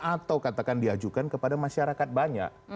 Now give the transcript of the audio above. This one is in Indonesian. atau katakan diajukan kepada masyarakat banyak